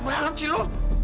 bersyuk banget sih lu